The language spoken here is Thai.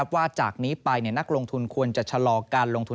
ว่าจากนี้ไปนักลงทุนควรจะชะลอการลงทุน